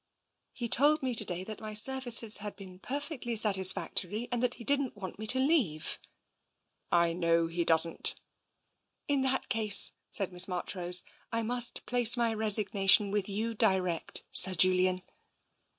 " He told me to day that my services had been per fectly satisfactory, and that he didn't want me to leave.'' " I know he doesn't." " In that case," said Miss Marchrose, " I must place my resignation with you direct, Sir Julian."